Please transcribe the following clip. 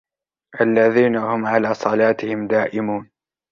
الَّذِينَ هُمْ عَلَى صَلَاتِهِمْ دَائِمُونَ